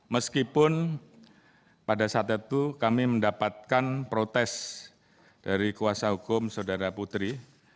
meskipun pada saat itu kami mendapatkan protes dari kuasa hukum saudara putri